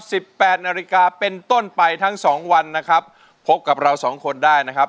แปดนาฬิกาเป็นต้นไปทั้งสองวันนะครับพบกับเราสองคนได้นะครับ